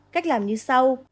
cách làm như sau